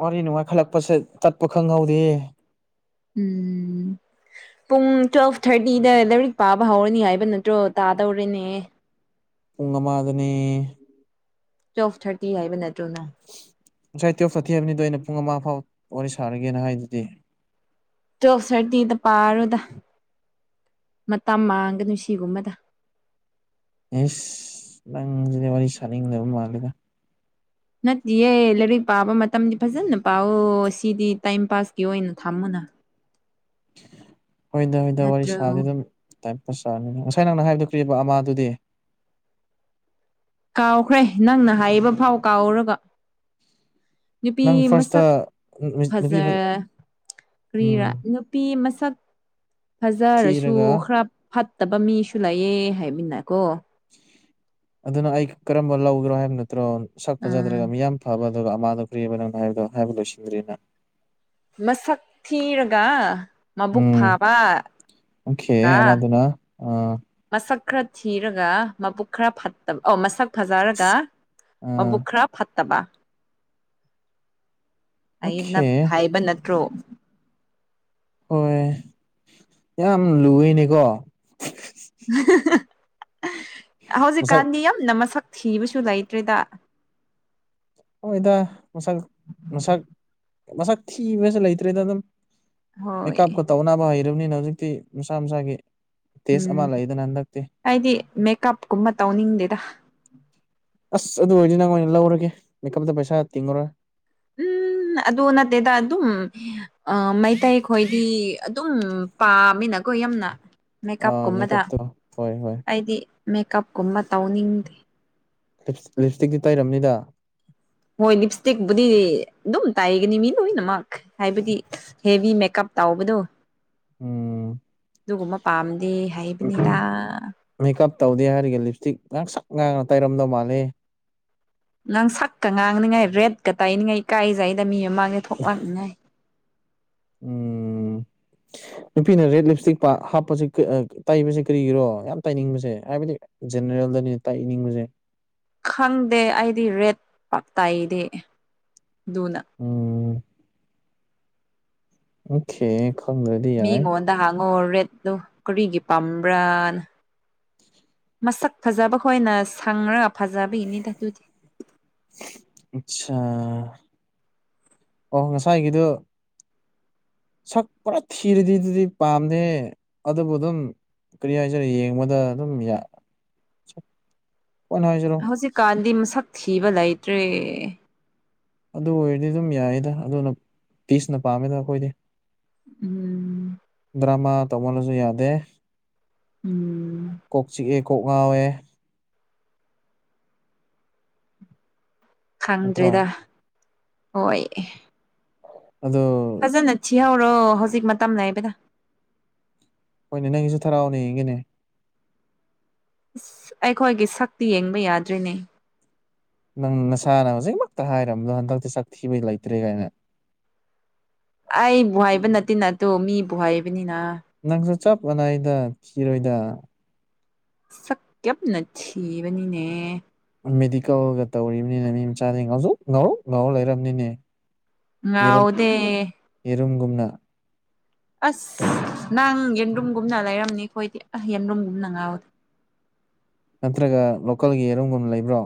ꯋꯥꯔꯤ ꯅꯨꯡꯉꯥꯏꯈꯠꯂꯛꯄꯁꯦ ꯆꯠꯄ ꯈꯪꯍꯧꯗꯦ ꯎꯝ ꯄꯨꯡ ꯇ꯭ꯋꯦꯜꯐ ꯊꯥꯔꯇꯤꯗ ꯂꯥꯏꯔꯤꯛ ꯄꯥꯕ ꯍꯧꯔꯅꯤ ꯍꯥꯏꯕ ꯅꯠꯇ꯭ꯔꯣ ꯇꯥꯗꯧꯔꯦꯅꯦ ꯄꯨꯨꯡꯉ ꯃꯥꯗꯅꯤ ꯇꯨꯋꯦꯜꯐ ꯊꯥꯔꯇꯤ ꯍꯥꯏꯕ ꯅꯠꯇ꯭ꯔꯣꯅ ꯉꯁꯥꯏ ꯇꯨꯞ ꯆꯠꯊꯤꯑꯕꯅꯤꯗꯣ ꯑꯩꯅ ꯄꯨꯡ ꯑꯃ ꯐꯥꯎ ꯋꯥꯔꯤ ꯁꯥꯔꯒꯦꯅ ꯍꯥꯏꯗꯨꯗꯤ ꯆꯧ ꯁꯔꯗꯤꯗ ꯄꯥꯔꯣꯗ ꯃꯇꯝ ꯃꯥꯡꯒ ꯅꯨꯡ ꯁꯤꯒꯨꯝꯕꯗ ꯏꯁꯁ ꯅꯪꯁꯤꯗꯤ ꯋꯥꯔꯤ ꯁꯥꯅꯤꯡꯗꯕ ꯃꯥꯜꯂꯦꯒ ꯅꯠꯇꯦꯌꯦ ꯂꯥꯏꯔꯤꯛ ꯄꯥꯕ ꯃꯇꯝꯗꯤ ꯐꯖꯅ ꯄꯥꯑꯣ ꯁꯤꯗꯤ ꯇꯥꯏꯝ ꯄꯥꯁꯀꯤ ꯑꯣꯏꯅ ꯊꯝꯃꯨꯅ ꯍꯣꯏꯗ ꯍꯣꯏꯗ ꯋꯥꯔꯤ ꯅꯠꯇ꯭ꯔꯣ ꯁꯥꯗꯤ ꯑꯗꯨꯝ ꯆ ꯆꯥꯅꯤ ꯉꯁꯥꯏ ꯅꯪꯅ ꯍꯥꯏꯗꯈ꯭ꯔꯤꯕ ꯑꯃꯥꯗꯨꯗꯤ ꯀꯥꯎꯈ꯭ꯔꯦ ꯅꯪꯅ ꯍꯥꯏꯔꯤꯕ ꯐꯥꯎ ꯀꯥꯎꯔꯒ ꯅꯨꯄꯤ ꯅꯪ ꯐꯥꯔꯁꯇ ꯃꯁꯛ ꯅꯨꯄꯤ ꯐꯖꯦ ꯎꯝ ꯀ꯭ꯔꯤꯔꯥ ꯅꯨꯄꯤ ꯃꯁꯛ ꯐꯖꯔꯁꯨ ꯊꯤꯔꯒ ꯈꯔ ꯐꯠꯇꯕ ꯃꯤꯁꯨ ꯂꯩꯑꯦ ꯍꯥꯏꯃꯤꯅꯀꯣ ꯑꯗꯨꯅ ꯑꯩ ꯀꯔꯝꯕ ꯂꯧꯒ꯭ꯔꯣ ꯍꯥꯏꯕ ꯅꯠꯇ꯭ꯔꯣ ꯁꯛ ꯑꯥ ꯐꯖꯗ꯭ꯔꯒ ꯃꯤ ꯌꯥꯝ ꯐꯕ ꯑꯗꯨꯒ ꯑꯃꯥꯗ ꯐꯨꯔꯤꯕ ꯅꯪꯅ ꯍꯥꯏꯕꯗꯣ ꯍꯥꯏꯕ ꯂꯣꯏꯁꯤꯟꯗ꯭ꯔꯤꯦꯅ ꯃꯁꯛ ꯊꯤꯔꯒ ꯃꯕꯨꯛ ꯎꯝ ꯐꯥꯕ ꯑꯣꯀꯦ ꯀ ꯑꯃꯗꯨꯅ ꯑꯥ ꯃꯁꯛ ꯈꯔ ꯊꯤꯔꯒ ꯃꯕꯨꯛ ꯈꯔ ꯐꯠꯇꯕ ꯑꯣ ꯃꯁꯛ ꯐꯖꯔꯒ ꯑꯥ ꯃꯕꯨꯛ ꯈꯔ ꯐꯠꯇꯕ ꯑꯩꯅ ꯑꯣꯀꯦ ꯍꯥꯏꯕ ꯅꯠꯇ꯭ꯔꯣ ꯍꯣꯏ ꯌꯥꯝ ꯂꯨꯏꯅꯤꯀꯣ ꯃꯁꯛ ꯍꯧꯖꯤꯛꯀꯥꯟꯗꯤ ꯌꯥꯝꯅ ꯃꯁꯛ ꯊꯤꯕꯁꯨ ꯂꯩꯇ꯭ꯔꯤꯗ ꯍꯗ ꯃꯁꯛ ꯃꯁꯛ ꯃꯁꯛ ꯊꯤꯕꯁꯨ ꯂꯩꯇ꯭ꯔꯦꯗ ꯑꯗꯨꯝ ꯃꯦꯀꯞꯀ ꯍꯣꯏ ꯇꯧꯅꯕ ꯍꯩꯔꯕꯅꯤꯅ ꯍꯧꯖꯤꯛꯇꯤ ꯃꯁꯥ ꯃꯁꯥꯒꯤ ꯇꯦꯁ ꯎꯝ ꯑꯃ ꯂꯩꯗꯅ ꯍꯟꯗꯛꯇꯤ ꯑꯩꯗꯤ ꯃꯦꯀꯞ ꯀꯨꯝꯕ ꯇꯧꯅꯤꯡꯗꯦꯗ ꯑꯁ ꯑꯗꯨ ꯑꯣꯏꯔꯗꯤ ꯅꯪ ꯑꯣꯏꯅ ꯂꯧꯔꯒꯦ ꯃꯦꯀꯞꯇ ꯄꯩꯁꯥ ꯇꯤꯡꯉꯨꯔꯣꯏ ꯎꯝ ꯑꯗꯨ ꯅꯠꯇꯦꯗ ꯑꯗꯨꯝ ꯃꯩꯇꯩ ꯈꯣꯏꯗꯤ ꯑꯗꯨꯝ ꯄꯥꯝꯃꯤꯅ ꯖꯒꯣꯏ ꯌꯅ ꯃꯦꯀꯞ ꯑꯥ ꯀꯨꯝꯕꯗ ꯃꯦꯀꯞꯇꯣ ꯍꯣꯏ ꯍꯣꯏ ꯑꯩꯗꯤ ꯃꯦꯀꯞꯀꯨꯝꯕ ꯇꯧꯅꯤꯡꯗꯦ ꯂꯤꯞꯁꯇꯤꯛꯇꯤ ꯇꯩꯔꯝꯅꯤꯗ ꯍꯣꯏ ꯂꯤꯞ ꯏꯁꯇꯤꯛꯄꯗꯤ ꯑꯗꯨꯝ ꯇꯥꯏꯒꯅꯤ ꯃꯤ ꯂꯣꯏꯅꯃꯛ ꯍꯥꯏꯕꯗꯤ ꯍꯦꯚ ꯃꯦꯀꯞ ꯇꯥꯎꯕꯗꯣ ꯎꯝ ꯄꯥꯝꯗꯦ ꯍꯥꯏꯕꯅꯤꯗ ꯃꯦꯀꯞ ꯇꯧꯗꯦ ꯍꯥꯏꯔꯒ ꯂꯤꯞꯁ ꯏꯁꯇꯤꯛ ꯉꯥꯡ ꯁꯛ ꯉꯥꯡꯅ ꯇꯩꯔꯝꯗꯧ ꯃꯥꯜꯂꯤ ꯅꯪ ꯁꯛꯀ ꯉꯥꯡꯅꯤꯉꯥꯏ ꯔꯦꯠꯀ ꯇꯥꯏꯅꯤꯡꯉꯥꯏ ꯏꯀꯥꯏꯖꯩꯗ ꯃꯤ ꯃꯃꯥꯡꯉꯦ ꯊꯣꯛꯂꯛꯅꯤꯉꯥꯏ ꯎꯝ ꯅꯨꯄꯤꯅ ꯔꯦꯗ ꯂꯤꯞ ꯏꯁꯇꯤꯛ ꯍꯥꯞꯄꯦ ꯇꯥꯏꯕꯁꯦ ꯀꯔꯤꯒꯤꯔꯣ ꯌꯥꯝ ꯇꯥꯏꯅꯤꯡꯕꯁꯦ ꯍꯥꯏꯕꯗꯤ ꯖꯦꯜ ꯗꯅꯤ ꯇꯥꯛ ꯏꯅꯤꯡꯕꯁꯦ ꯈꯪꯗꯦ ꯑꯩꯗꯤ ꯔꯦꯠ ꯄꯥꯛ ꯇꯥꯏꯗꯤ ꯑꯗꯨꯅ ꯎꯝ ꯑꯣꯦ ꯈꯪꯗꯗꯤ ꯌꯥꯏ ꯪꯉ ꯔꯦꯠꯂꯨ ꯀꯔꯤꯒꯤ ꯄꯥꯝꯕ꯭ꯔꯥꯅ ꯃꯁꯛ ꯐꯖꯕ ꯍꯣꯏꯅ ꯁꯪꯉꯒ ꯐꯖꯕꯤ ꯍꯅꯦ ꯇꯥꯛꯗꯤ ꯑꯠꯁꯥ ꯑꯣ ꯉꯁꯥꯏꯒꯤꯗꯨ ꯁꯛ ꯄꯨꯔꯥ ꯊꯤꯔꯗꯤ ꯑꯗꯨꯗꯤ ꯄꯥꯝꯅꯦ ꯑꯗꯨꯕꯨ ꯑꯗꯨꯝ ꯀꯔꯤ ꯍꯥꯏꯁꯔꯦ ꯌꯦꯡꯕꯗ ꯑꯗꯨꯝ ꯁꯛꯄꯅ ꯍꯥꯏꯁꯤꯔꯣ ꯍꯧꯖꯤꯛꯀꯥꯟꯗꯤ ꯃꯁꯛ ꯊꯤꯕ ꯂꯩꯇ꯭ꯔꯦ ꯑꯗꯨ ꯑꯣꯏꯔꯗꯤ ꯑꯗꯨꯝ ꯌꯥꯌꯦꯗ ꯑꯗꯨꯅ ꯄꯤꯁꯅ ꯄꯥꯝꯃꯦꯗ ꯑꯩꯈꯣꯏꯗꯤ ꯎꯝ ꯔꯃ ꯇꯃꯂꯁꯨ ꯌꯥꯗꯦ ꯎꯝ ꯀꯣꯛ ꯆꯤꯛꯑꯦ ꯀꯣꯛ ꯉꯥꯎꯦ ꯅꯠꯇ꯭ꯔꯣ ꯈꯪꯗ꯭ꯔꯦꯗ ꯍꯣꯏꯣꯏ ꯑꯗꯣ ꯐꯖꯅ ꯊꯤꯍꯧꯔꯣ ꯍꯧꯖꯤꯛ ꯃꯇꯝ ꯅꯕꯗ ꯅꯪꯒꯤꯁꯨꯦ ꯊꯔꯥꯥꯎꯅꯦ ꯌꯦ ꯏꯒꯤꯅꯦ ꯑꯩꯈꯣꯏꯒꯤ ꯁꯛꯇꯤ ꯌꯦꯡꯕ ꯌꯥꯗ꯭ꯔꯤꯅꯦ ꯅꯪ ꯅꯁꯥꯅ ꯍꯧꯖꯤꯛꯃꯛꯇ ꯍꯥꯏꯔꯝꯕꯗꯣ ꯍꯟꯗꯛꯇꯤ ꯆꯥꯛ ꯊꯤꯕꯩ ꯂꯩꯇ꯭ꯔꯦ ꯀꯥꯏꯅ ꯑꯩꯕꯨꯍꯥꯏꯕ ꯅꯠꯇꯦ ꯅ ꯑꯗꯨꯣ ꯃꯤꯕꯨꯍꯥꯏꯕꯅꯤꯅ ꯅꯪꯁꯨ ꯆꯞ ꯃꯥꯟꯅꯏꯗ ꯊꯤꯔꯣꯏꯗ ꯁꯛ ꯀꯞꯅ ꯊꯤꯕꯅꯤꯅꯦ ꯃꯦꯗꯤꯀꯦꯜꯒ ꯇꯧꯔꯤꯕꯅꯤꯅ ꯃꯤ ꯃꯆꯥꯗꯤ ꯉꯥꯎꯖꯣꯛ ꯉꯥꯎꯔꯣꯛ ꯉꯥꯎꯔꯧ ꯂꯩꯔꯔꯕꯅꯤꯅꯦ ꯍꯥꯎꯗꯦ ꯏꯨꯝꯒꯨꯝꯅ ꯑꯁ ꯅꯪ ꯌꯦꯟꯗ꯭ꯔꯨꯝꯒꯨꯝꯅ ꯂꯩꯔꯝꯅꯤ ꯑꯩꯈꯣꯏꯗꯤ ꯑꯁ ꯌꯦꯟꯗꯨꯝꯒꯨꯝꯅ ꯉꯥꯎꯕꯗ ꯅꯠꯇ꯭ꯔꯒ ꯂꯣꯀꯦꯜꯒꯤ ꯌꯦꯔꯨꯝꯒꯨꯝ ꯂꯩꯕ꯭ꯔꯣ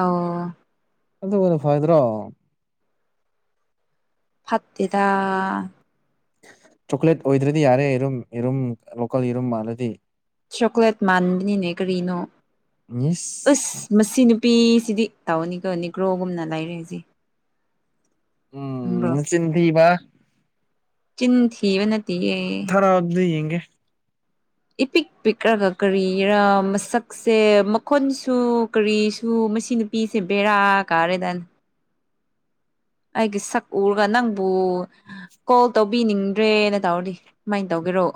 ꯑꯣ ꯑꯗꯨ ꯀ ꯐꯥꯏꯗ꯭ꯔꯣ ꯐꯠꯇꯦꯗꯥ ꯆꯣꯀ꯭ꯂꯦꯠ ꯑꯣꯏꯗ꯭ꯔꯗꯤ ꯌꯥꯔꯦ ꯌꯦꯔꯨꯝ ꯌꯦꯔꯨꯝ ꯂꯣꯀꯦꯜ ꯌꯦꯔꯨꯝ ꯃꯥꯜꯂꯗꯤ ꯆꯣꯀ꯭ꯂꯦꯠ ꯃꯥꯟꯕꯅꯤꯅꯦ ꯀꯔꯤꯅꯣ ꯑꯁ ꯏꯁ ꯃꯁꯤ ꯅꯨꯄꯤꯁꯤꯗꯤ ꯇꯧꯅꯤ ꯀꯧꯅꯤ ꯒ꯭ꯔꯣꯒꯨꯝꯅ ꯂꯩꯔꯁꯤ ꯎꯝ ꯆꯤꯟꯊꯤ ꯋꯥ ꯆꯤꯟ ꯊꯤꯕ ꯅꯠꯇꯤꯌꯦ ꯊꯔ ꯑꯣꯗꯤ ꯌꯦꯒꯦ ꯄꯤꯛ ꯄꯤꯛꯂꯒ ꯀꯔꯤꯔꯥ ꯃꯁꯛꯁꯦ ꯃꯈꯣꯟꯁꯨ ꯀꯔꯤꯁꯨ ꯃꯁꯤ ꯅꯨꯄꯤꯁꯦ ꯕꯦꯔꯥ ꯀꯥꯔꯦꯗꯥꯅ ꯑꯩꯒꯤ ꯁꯛ ꯎꯔꯒ ꯅꯪꯕꯨ ꯀꯣꯜ ꯇꯧꯕ ꯇꯥꯕꯤꯅꯤꯡꯗ꯭ꯔꯦꯅ ꯇꯧꯔꯗꯤ ꯀꯨꯃꯥꯏꯅ ꯇꯧꯒꯦꯔꯣ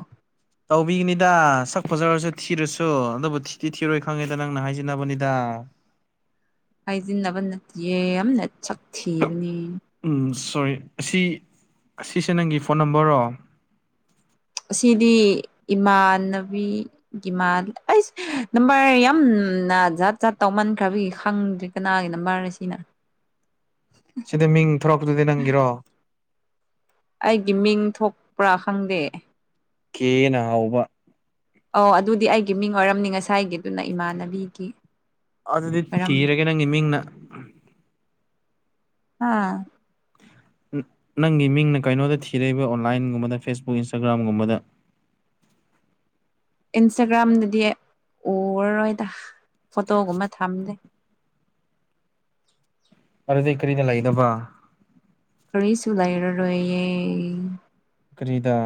ꯇꯧꯕꯤꯒꯅꯤꯗ ꯁꯛ ꯐꯖꯔꯁꯨ ꯊꯤꯔꯁꯨ ꯑꯗꯨꯕꯨ ꯊꯤꯗꯤꯤ ꯊꯤꯔꯣꯏ ꯈꯪꯉꯦꯗ ꯅꯪꯅ ꯍꯥꯏꯖꯤꯟꯅꯅꯕꯅꯤꯗ ꯑꯥ ꯍꯥꯏꯖꯤꯟꯅꯕ ꯅꯠꯇꯦ ꯑꯃꯅ ꯁꯛ ꯊꯤꯕꯅꯦ ꯎꯝ ꯁꯣꯔꯤ ꯑꯁꯤ ꯑꯁꯤꯁꯦ ꯅꯪꯒꯤ ꯐꯣꯟ ꯅꯝꯕꯔꯣ ꯑꯁꯤꯗꯤ ꯏꯃꯥꯟꯅꯕꯤ ꯒꯤꯃꯥꯟ ꯑꯩꯁ ꯅꯝꯕꯔ ꯌꯥꯝ ꯎꯝ ꯅ ꯖꯥꯠ ꯖꯠ ꯇꯧꯃꯟꯈ꯭ꯔꯕꯤ ꯈꯪꯗ꯭ꯔꯤ ꯀꯅꯥꯒꯤꯅꯣ ꯃꯥꯔꯦ ꯁꯤꯅ [inaudible] ꯁꯤꯗ ꯃꯤꯡ ꯊꯣꯔꯛꯄꯗꯨꯗꯤ ꯅꯪꯒꯤꯔꯣ ꯑꯩꯒꯤ ꯃꯤꯡ ꯊꯣꯛꯄ꯭ꯔꯥ ꯈꯪꯗꯦ ꯈꯦꯅ ꯍꯥꯎꯕ ꯑꯣ ꯑꯗꯨꯗꯤ ꯑꯩꯒꯤ ꯃꯤꯡ ꯑꯣꯏꯔꯝꯅꯤ ꯉꯁꯥꯏꯒꯤꯗꯨꯅ ꯏꯃꯥꯟꯅꯕꯤꯒꯤ ꯑꯗꯨꯗꯤ ꯑꯣꯏꯔꯝꯅꯤ ꯊꯤꯔꯒꯦ ꯅꯪꯒꯤ ꯃꯤꯡꯅ ꯑꯥ ꯅꯪꯒꯤ ꯃꯤꯡꯅ ꯀꯩꯅꯣꯗ ꯊꯤꯔꯛꯏꯕ ꯑꯣꯟꯂꯥꯏꯟꯒꯨꯝꯕꯗ ꯐꯦꯁꯕꯨꯛ ꯏꯟꯁꯇꯥꯒ꯭ꯔꯥꯝꯒꯨꯝꯕꯗ [inaudible] ꯏꯟꯁꯇꯥꯒ꯭ꯔꯥꯝꯗꯗꯤ ꯎꯔꯔꯣꯏꯗ ꯐꯣꯇꯣꯒꯨꯝꯕ ꯊꯝꯗꯦ ꯑꯔꯗꯤ ꯀꯔꯤꯅ ꯂꯏꯗꯕ ꯑꯩꯩꯁꯨꯨꯗꯥꯏꯔ ꯔꯦ ꯐꯔꯤꯗꯥ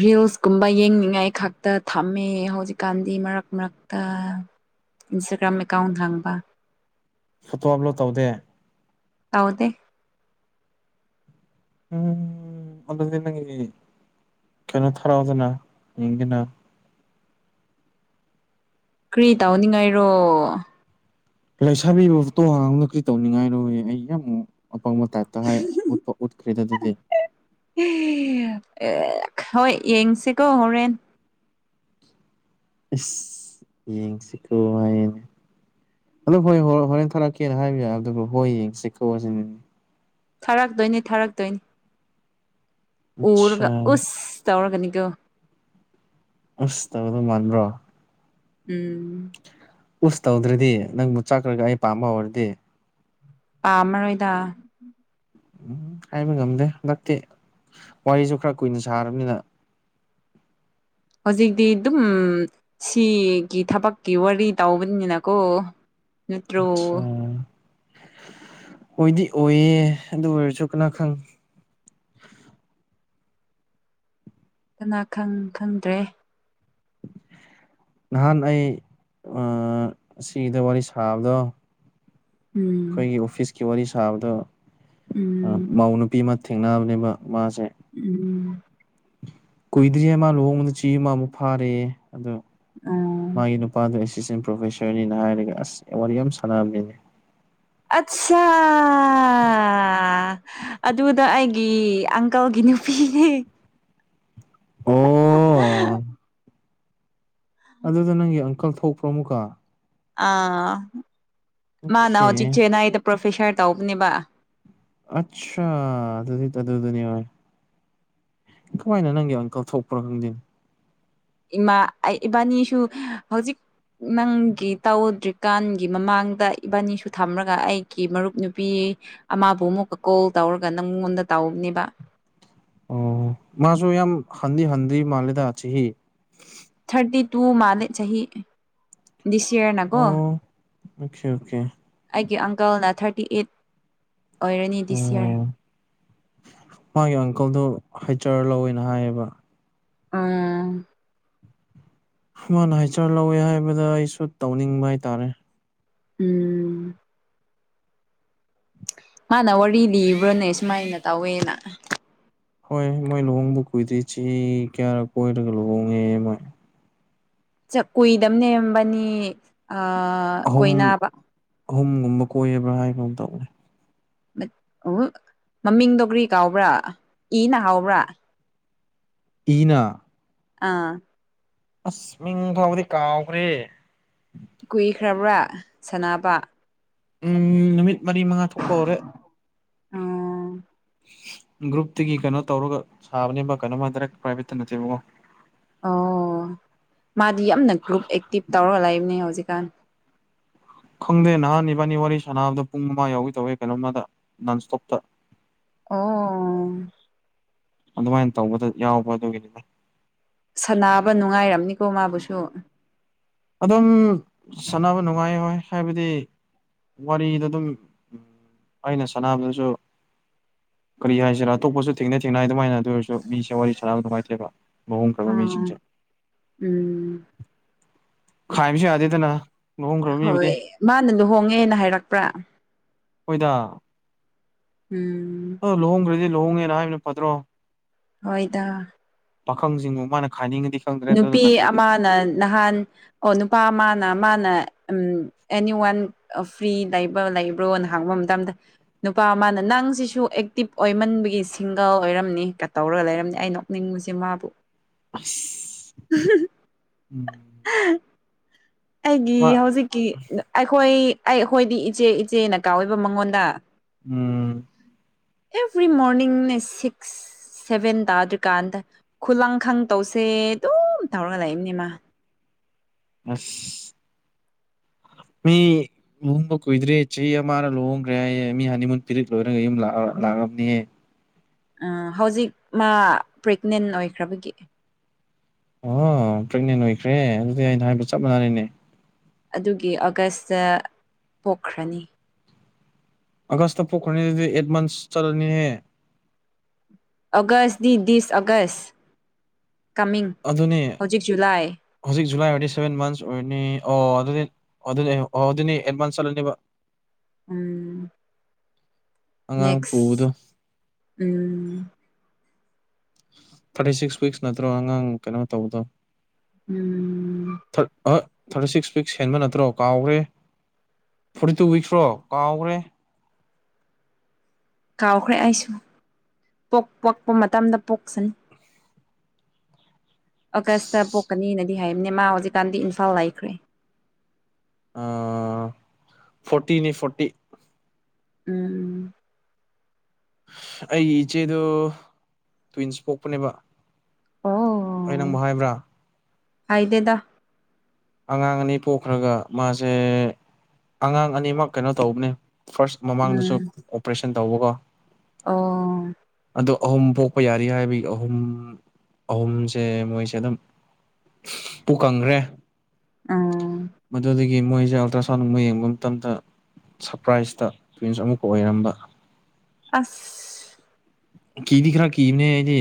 ꯔꯤꯜꯁꯀꯨꯝꯕ ꯌꯦꯡꯅꯤꯡꯉꯥꯏ ꯈꯛꯇ ꯊꯝꯃꯦ ꯍꯧꯖꯤꯛꯀꯥꯟꯗꯤ ꯃꯔꯛ ꯃꯔꯛꯇ ꯏꯟꯁꯇꯥꯒ꯭ꯔꯥꯝ ꯑꯦꯀꯥꯎꯟ ꯍꯥꯡꯕ ꯐꯣꯇꯣ ꯑꯞꯂꯣꯗ ꯇꯧꯗꯦ ꯇꯥꯎꯗꯦ ꯎꯝ ꯑꯗꯗꯤ ꯅꯉ ꯀꯩꯅꯣ ꯊꯔꯑꯣꯗꯅ ꯏꯡ ꯀꯅꯥ ꯀ꯭ꯔꯤ ꯇꯧꯅꯤꯡꯉꯥꯏꯔꯣ ꯂꯩꯁꯥꯕꯤꯕꯣꯇꯣ ꯍꯥꯡꯕꯅ ꯀꯔꯤ ꯇꯧꯅꯤꯡꯉꯥꯏꯔꯣꯦ ꯑꯩ ꯌꯥꯝꯃꯨꯛ ꯑꯄꯥꯪꯕ ꯇꯇ ꯍꯥꯏꯄ ꯎꯠꯈ꯭ꯔꯤꯗꯗꯨꯗꯤ ꯍꯣꯏ ꯌꯦꯡꯁꯤꯀꯣ ꯍꯣꯔꯦꯟ ꯌꯦꯡꯁꯤꯀꯣ ꯍꯥꯏꯅꯦ ꯑꯗꯨ ꯍꯣꯏ ꯍ ꯍꯣꯔꯦꯟ ꯊꯥꯔꯛꯀꯦꯅ ꯍꯥꯏꯕ ꯌꯥꯏ ꯑꯗꯨꯕꯨ ꯍꯣꯏ ꯌꯦꯡꯁꯤꯀꯣ ꯁꯤꯅꯤ ꯊꯥꯔꯛꯇꯣꯏꯅꯤ ꯊꯥꯔꯛꯇꯣꯏꯅꯤ ꯎꯔꯒ ꯑꯠꯁꯥ ꯎ ꯇꯧꯔꯒꯅꯤ ꯀꯣ ꯑꯁ ꯇꯕ ꯑꯗꯨ ꯃꯥꯟꯕ꯭ꯔꯣ ꯎꯝ ꯎꯁ ꯇꯧꯗ꯭ꯔꯗꯤ ꯅꯪꯕꯨ ꯆꯠꯈ꯭ꯔꯒ ꯑꯩ ꯄꯥꯝꯕ ꯍꯧꯔꯗꯤ ꯄꯥꯝꯃꯔꯣꯏꯗ ꯎꯝ ꯍꯥꯏꯕ ꯉꯝꯗꯦ ꯍꯟꯗꯛꯇꯤ ꯋꯥꯔꯤꯁꯨ ꯈꯔ ꯀꯨꯏꯅ ꯁꯥꯔꯕꯅꯤꯅ ꯍꯧꯖꯤꯛꯇꯤ ꯑꯗꯨꯝ ꯁꯤꯒꯤ ꯊꯕꯛꯀꯤ ꯋꯥꯔꯤ ꯇꯥꯎꯧꯕꯅꯤꯅꯤꯅꯀꯣ ꯑꯆꯥ ꯍꯣꯏꯗꯤ ꯑꯣꯏꯌꯦ ꯑꯗꯨ ꯑꯣꯏꯔꯁꯨ ꯀꯅꯥ ꯈꯪ [inaudible] ꯀꯅꯥ ꯈꯪꯗ꯭ꯔꯦ ꯅꯍꯥꯟ ꯑꯩ ꯁꯤꯒꯤꯗ ꯋꯥꯔꯤ ꯁꯥꯕꯗꯣ ꯎꯝ ꯑꯩꯈꯣꯏꯒꯤ ꯑꯣꯐꯤꯁꯀꯤ ꯋꯥꯔꯤ ꯁꯥꯕꯗ ꯎꯝ ꯃꯎ ꯅꯨꯨꯄꯤ ꯑꯃ ꯊꯦꯡꯅꯕꯅꯦꯕ ꯃꯥꯁꯦ ꯎꯝ ꯀꯣꯏꯗꯔꯤ ꯃꯥ ꯂꯣ ꯃ ꯆꯤ ꯃꯃꯨ ꯐꯥꯔꯦ ꯑꯗ ꯎꯝ ꯃꯥꯒꯤ ꯅꯨꯄꯥꯗ ꯑꯦꯁꯇꯦꯟ ꯄ꯭ꯔꯣꯐꯦꯁꯔꯅꯤꯅ ꯍꯥꯏꯔꯒ ꯑꯁ ꯑꯦꯋꯥꯔꯗ ꯌꯥꯝ ꯁꯥꯟꯕꯅꯤꯅꯦ ꯑꯠꯆꯥꯥ ꯑꯗꯨꯗ ꯑꯩꯒꯤ ꯑꯪꯀꯜꯒꯤ ꯅꯨꯄꯤꯅꯦ ꯑꯣ ꯑꯗꯨꯗ ꯅꯪꯒꯤ ꯑꯪꯀꯜ ꯊꯣꯛꯄ꯭ꯔꯣ ꯑꯃꯨꯛꯀ ꯑꯥ ꯑꯣꯀꯦ ꯃꯥꯅ ꯍꯧꯖꯤꯛ ꯆꯦꯟꯅꯥꯏꯗ ꯄ꯭ꯔꯣꯐꯦꯁꯥꯔ ꯇꯧꯕꯅꯦꯕ ꯑꯆꯥꯥ ꯑꯗꯨꯗꯤ ꯑꯗꯨ ꯑꯗꯨ ꯑꯗꯨꯅꯤ ꯀꯃꯥꯏꯅ ꯅꯪꯒꯦ ꯑꯪꯀꯜ ꯊꯣꯛꯄ꯭ꯔꯣ ꯈꯪꯗꯦ ꯏꯃꯥ ꯑꯩ ꯏꯕꯥꯅꯤꯁꯨ ꯍꯧꯖꯤꯛ ꯅꯪꯒꯤ ꯇꯧꯗ꯭ꯔꯤꯀꯥꯟꯒꯤ ꯃꯃꯥꯡꯗ ꯏꯕꯥꯅꯤꯁꯨ ꯊꯝꯂꯒ ꯑꯩꯒꯤ ꯃꯔꯨꯞ ꯅꯨꯄꯤ ꯑꯃꯕꯨ ꯑꯃꯨꯛꯀ ꯀꯣꯜ ꯇꯧꯔꯒ ꯅꯪꯉꯣꯟꯗ ꯇꯥꯎꯅꯦꯕ ꯑꯣ ꯃꯥꯁꯨ ꯌꯥꯝ ꯍꯟꯗꯤ ꯍꯟꯗꯤ ꯃꯥꯜꯂꯦꯗ ꯁꯤ ꯊꯥꯔꯇꯤ ꯇꯨ ꯃꯥꯅꯦ ꯆꯍꯤ ꯆꯍꯤ ꯁꯤ ꯌꯥꯔꯅꯀꯣ ꯑꯣ ꯑꯣꯀꯦ ꯑꯣꯀꯦ ꯑ ꯑꯪ ꯜꯅ ꯊꯥꯔꯇꯤ ꯑꯩꯠ ꯑꯣꯏꯔꯅꯤ ꯗꯤꯁ ꯌꯔ ꯑꯣ ꯃꯥꯦ ꯑꯪꯀꯜꯗꯨ ꯍꯩꯆꯔ ꯂꯧꯋꯦꯅ ꯍꯥꯏꯌꯦꯕ ꯑ ꯃꯥꯅ ꯍꯥꯏꯆꯔ ꯂꯧꯋꯦ ꯍꯥꯏꯕꯗ ꯑꯩꯁꯨ ꯇꯧꯅꯤꯡꯕ ꯍꯥꯏꯇꯥꯔꯦ ꯎꯝ ꯃꯥꯅ ꯋꯥꯔꯤ ꯂꯤꯕ꯭ꯔꯥꯅꯦ ꯁꯨꯃꯥꯏꯅ ꯇꯧꯋꯦꯅ ꯍꯣꯏ ꯃꯣꯏ ꯂꯨꯍꯣꯡꯕ ꯀꯨꯏꯗ꯭ꯔꯤ ꯆꯦ ꯀꯌꯥꯔ ꯀꯣꯏꯔꯒ ꯂꯨꯍꯣꯡꯉꯦ ꯃꯣꯏ ꯀꯨꯏꯗꯕ ꯅꯦꯝꯕꯅꯤ ꯑꯍꯨꯝ ꯀꯣꯏꯅꯕ ꯑꯍꯨꯝꯒꯨꯝꯕ ꯀꯣꯏꯕ꯭ꯔꯥ ꯍꯥꯏꯕ ꯑꯃ ꯇꯧꯅꯤ ꯎ ꯃꯃꯤꯡꯗꯣ ꯀ꯭ꯔꯤ ꯀꯥꯎꯕ꯭ꯔꯥ ꯏꯅ ꯍꯥꯎꯕ꯭ꯔꯥ ꯏꯅ ꯑꯥ ꯑꯁ ꯃꯤꯡ ꯐꯥꯎꯕꯗꯤ ꯀꯥꯎꯈ꯭ꯔꯦ ꯀꯨꯏꯈ꯭ꯔꯕ꯭ꯔꯥ ꯁꯅꯥꯅꯕ ꯎꯝ ꯅꯨꯃꯤꯠ ꯃꯔꯤ ꯃꯉꯥ ꯊꯣꯛꯄ ꯍꯧꯔꯦ ꯑꯥ ꯒ꯭ꯔꯨꯞꯇꯨꯒꯤ ꯀꯩꯅꯣ ꯇꯧꯔꯒ ꯁꯥꯕꯅꯦꯕ ꯀꯩꯅꯣꯃꯗꯥꯔ ꯄ꯭ꯔꯥꯏꯚꯦꯠꯇ ꯅꯠꯇꯦꯕꯀꯣ ꯑꯣ ꯃꯥꯗꯤ ꯌꯥꯝꯅ ꯒ꯭ꯔꯨꯞꯨꯞ ꯑꯦꯛꯇꯤꯞ ꯇꯧꯔꯒ ꯂꯩꯕꯅꯦ ꯍꯧꯖꯤꯛꯀꯥꯟ ꯈꯪꯗꯦ ꯅꯍꯥꯟ ꯏꯅꯤꯕꯥꯅꯤ ꯋꯥꯔꯤ ꯁꯥꯟꯅꯕꯗ ꯄꯨꯡ ꯃꯉꯥ ꯌꯥꯎꯋꯤ ꯇꯧꯋꯦ ꯀꯩꯅꯣꯝꯃꯗ ꯅꯟꯁꯇꯣꯞꯇ ꯑꯣ ꯑꯗꯨꯃꯥꯏꯅ ꯇꯧꯕꯗ ꯌꯥꯎꯕ ꯑꯗꯨꯒꯤꯅꯤꯅ ꯅꯤꯀꯣ ꯃꯥꯕꯨꯁꯨ ꯑꯗꯨꯝ ꯁꯥꯟꯅꯕ ꯅꯨꯡꯉꯥꯏ ꯍꯣꯏ ꯍꯥꯏꯕꯗꯤ ꯋꯥꯔꯤꯗ ꯑꯗꯨꯝ ꯑꯩꯅ ꯁꯥꯟꯅꯕꯗꯁꯨ ꯀꯔꯤ ꯍꯥꯏꯁꯤꯔꯥ ꯑꯇꯣꯞꯄꯁꯨ ꯊꯦꯡꯅꯩ ꯊꯦꯡꯅ ꯑꯗꯨꯃꯥꯏꯅ ꯑꯗꯨ ꯑꯣꯏꯔꯁꯨ ꯃꯤꯁꯦ ꯋꯥꯔꯤ ꯁꯥꯟꯅꯕ ꯅꯨꯡꯉꯥꯏꯇꯦꯕ ꯃ ꯀꯔ ꯑꯥ ꯃꯤꯁꯤꯡꯤꯡ ꯆ ꯎꯝ ꯈ ꯄꯁꯤ ꯌꯥꯗꯦꯗꯅ ꯂꯨꯍꯣꯡꯈ꯭ꯔꯕ ꯃꯤꯕꯨꯗꯤ ꯍꯣꯏ ꯃꯥꯅ ꯂꯨꯍꯣꯡꯉꯦꯅ ꯍꯥꯏꯔꯛꯄ꯭ꯔꯥ ꯍꯣꯏꯗ ꯎꯝ ꯑ ꯂꯨꯍꯣꯡꯈ꯭ꯔꯗꯤ ꯂꯨꯍꯣꯡꯉꯦꯅ ꯍꯥꯏꯕꯅ ꯐꯠꯇ꯭ꯔꯣ ꯍꯣꯏꯗ ꯄꯥꯈꯪꯁꯤꯡꯗꯨ ꯃꯥꯅ ꯈꯥꯅꯤꯡꯉ ꯅꯨꯄꯤ ꯑꯃꯅ ꯅꯍꯥꯟ ꯑꯣ ꯅꯨꯄꯥ ꯑꯃꯅ ꯃꯥꯅ ꯎ ꯑꯦꯅꯤ ꯋꯥꯟ ꯐ꯭ꯔꯤ ꯂꯩꯕ꯭ꯔ ꯂꯩꯕ꯭ꯔꯣꯅ ꯍꯥꯡꯕ ꯃꯇꯝꯗ ꯅꯨꯄꯥ ꯃꯥꯅ ꯅꯪꯁꯤꯁꯨ ꯑꯦꯛꯇꯤꯞ ꯑꯣꯏꯃꯟꯕꯒꯤ ꯁꯤꯡꯒꯔ ꯑꯣꯏꯔꯝꯅꯤꯒ ꯇꯧꯔꯒ ꯂꯩꯔꯝꯅꯤ ꯑꯩ ꯅꯣꯛꯅꯤꯡꯕꯕꯁꯤ ꯃꯥꯄꯨ ꯎꯝ ꯑꯩꯒꯤ ꯍꯧꯖꯤꯛꯀꯤ ꯑꯩꯈꯣꯏ ꯑꯩ ꯑꯩꯈꯣꯏꯗꯤ ꯏꯆꯦ ꯏꯆꯦ ꯅꯀꯥ ꯑꯣꯏꯕ ꯃꯉꯣꯟꯗ ꯎꯝ ꯑꯦꯚ꯭ꯔꯤ ꯃꯣꯔꯅꯤꯡꯅꯦ ꯁꯤꯛꯁ ꯁꯚꯦꯟ ꯇꯥꯗ꯭ꯔꯤꯀꯥꯟꯗ ꯈꯨꯂꯪꯈꯪ ꯇꯧꯁꯦ ꯑꯗꯨꯝ ꯇꯧꯔꯒ ꯂꯩꯏꯕꯅꯦ ꯃꯥ ꯑ ꯃꯤ ꯂꯨꯍꯣꯡꯕ ꯀꯨꯏꯗ꯭ꯔꯦ ꯆꯍꯤ ꯑꯃꯅ ꯂꯨꯍꯣꯡꯈ꯭ꯔꯦ ꯍꯥꯏꯌꯦꯦ ꯃꯤ ꯍꯅꯤꯃꯨꯟ ꯄꯤꯔꯤꯠ ꯂꯣꯏꯔꯒ ꯌꯨꯝ ꯂꯥꯛꯑꯕꯅꯤꯍ ꯍꯧꯖꯤꯛ ꯃꯥ ꯄ꯭ꯔꯦꯒꯅꯦꯟ ꯑꯣꯏꯈ꯭ꯔꯕꯒꯤ ꯑꯣ ꯄ꯭ꯔꯦꯒꯅꯦꯟ ꯑꯣꯏꯈ꯭ꯔꯦ ꯑꯗꯨꯗꯤ ꯑꯩꯅ ꯍꯥꯏꯕ ꯆꯞ ꯃꯥꯟꯅꯅꯅꯦ ꯑꯗꯨꯒꯤ ꯑꯣꯒꯁꯇ ꯄꯣꯛꯈ꯭ꯔꯅꯤ ꯑꯀꯥꯁꯇ ꯄꯣꯈꯣꯔꯅꯤ ꯑꯦꯠꯚꯥꯟꯁ ꯆꯂꯅꯤꯍꯦ ꯑꯣꯒꯁ ꯗꯦ ꯗꯤꯁ ꯑꯒꯁ ꯀꯃꯤꯡ ꯑꯗꯨꯅꯤ ꯍꯧꯖꯤꯛ ꯖꯨꯂꯥꯏ ꯍꯧꯖꯤꯛ ꯖꯨꯂꯥꯏ ꯑꯣꯏꯔꯗꯤ ꯁꯚꯦꯟ ꯃꯟꯁ ꯑꯣꯏꯔꯅꯤ ꯑꯣ ꯑꯗꯨꯗꯤ ꯑꯗꯨꯗꯤ ꯑꯣ ꯑꯗꯨꯅꯤ ꯑꯦꯗꯚꯥꯟꯁ ꯆꯠꯂꯅꯤꯕ ꯎꯝ ꯑꯉꯥꯡ ꯄꯨꯕꯗꯣ ꯅꯦꯛꯁ ꯎꯝ ꯊꯥꯔꯇꯤ ꯁꯤꯛꯁ ꯋꯤꯛꯁ ꯅꯠꯇ꯭ꯔꯣ ꯑꯉꯥꯡ ꯀꯩꯅꯣ ꯇꯧꯕꯗꯣ ꯎꯝ ꯊ꯭ꯔꯠ ꯑ ꯊꯥꯔꯇꯤ ꯁꯤꯛꯁ ꯋꯤꯛꯁ ꯍꯦꯟꯕ ꯅꯠꯇ꯭ꯔꯣ ꯀꯥꯎꯈ꯭ꯔꯦ ꯐꯣꯔꯇꯤ ꯇꯨ ꯋꯤꯛꯁ꯭ꯔꯣ ꯀꯥꯎꯈ꯭ꯔꯦ ꯀꯥꯎꯈ꯭ꯔꯦ ꯑꯩꯁꯨ ꯄꯣꯛ ꯄꯛꯄ ꯃꯇꯝꯗ ꯄꯣꯛꯆꯅꯤ ꯑꯒꯁꯇ ꯄꯣꯛꯀꯅꯤꯅꯗꯤ ꯍꯥꯏꯝꯅꯦ ꯃꯥ ꯍꯧꯖꯤꯛꯀꯥꯟꯗꯤ ꯏꯝꯐꯥꯜ ꯂꯩꯈ꯭ꯔꯦ ꯑ ꯐꯣꯔꯇꯤꯅꯤ ꯐꯣꯔꯣꯔꯇꯤ ꯎꯝ ꯎꯝ ꯑꯩꯒꯤ ꯏꯆꯦꯗꯨ ꯇ꯭ꯋꯤꯟꯁ ꯄꯣꯛꯄꯅꯦꯕ ꯑꯩ ꯅꯪꯕꯨ ꯍꯥꯏꯕ꯭ꯔꯥ ꯍꯥꯏ ꯗꯦꯗ ꯑꯉꯥꯡ ꯑꯅꯤ ꯄꯣꯛꯈ꯭ꯔꯒ ꯃꯥꯁꯦ ꯑꯉꯥꯡ ꯑꯅꯤꯃꯛ ꯀꯩꯅꯣ ꯇꯧꯕꯅꯦ ꯐꯥꯔꯁ ꯃꯃꯥꯡꯗꯁꯨ ꯎꯝ ꯑꯣꯄꯔꯦꯁꯟ ꯇꯧꯕꯒꯣ ꯑꯣ ꯑꯩ ꯑꯍꯨꯝ ꯄꯣꯛꯄ ꯌꯥꯔꯤ ꯍꯥꯏꯕꯒꯤ ꯑꯍꯨꯝ ꯑꯍꯨꯝꯁꯦ ꯃꯣꯏꯁꯦ ꯑꯗꯨꯝ ꯄꯨ ꯀꯪꯈ꯭ꯔꯦ ꯎꯝ ꯃꯗꯨꯗꯒꯤ ꯃꯣꯏꯁꯦ ꯑꯜꯇ꯭ꯔꯥꯁꯥꯎꯟꯒꯨꯝꯕ ꯌꯦꯡꯕ ꯃꯇꯝꯗ ꯁꯔꯄ꯭ꯔꯥꯏꯖꯇ ꯇ꯭ꯋꯟꯁ ꯑꯃꯨꯛꯀ ꯑꯣꯏꯔꯝꯕ ꯑꯁ ꯀꯤꯗꯤ ꯈꯔ ꯀꯤꯕꯅꯦ ꯑꯩꯗꯤ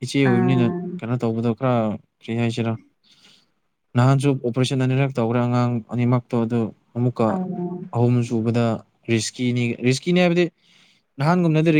ꯏꯆꯦ ꯑ ꯑꯣꯏꯕꯅꯤꯅ ꯀꯩꯅꯣ ꯇꯧꯕꯗꯧ ꯈꯔ ꯀꯔꯤ ꯍꯥꯏꯁꯤꯔꯥ ꯅꯍꯥꯟꯁꯨ ꯑꯣꯄꯔꯦꯁꯟ ꯑꯅꯤꯔꯛ ꯇꯧꯈ꯭ꯔꯥ ꯑꯉꯥꯡ ꯑꯅꯤꯃꯛꯇꯣ ꯑꯗꯨ ꯑꯃꯨꯛꯀ ꯑꯣ ꯑꯍꯨꯝ ꯁꯨꯕꯗ ꯔꯤꯁꯀꯤꯅꯤ ꯔꯤꯁꯀꯤꯅꯤ ꯍꯥꯏꯕꯗꯤ ꯅꯍꯥꯟꯒꯨꯝꯅꯗꯤ